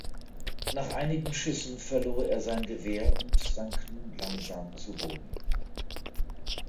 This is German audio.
Nach einigen Schüssen verlor er sein Gewehr und sank nun langsam zu Boden.